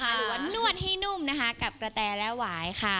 หรือว่านวดให้นุ่มนะคะกับกระแตและหวายค่ะ